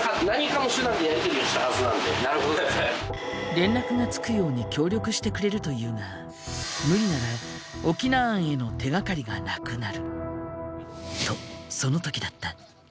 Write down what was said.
連絡がつくように協力してくれるというが無理なら翁庵への手がかりがなくなる。